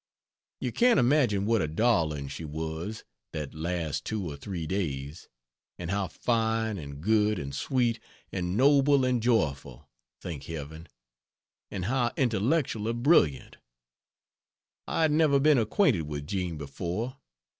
You can't imagine what a darling she was, that last two or three days; and how fine, and good, and sweet, and noble and joyful, thank Heaven! and how intellectually brilliant. I had never been acquainted with Jean before.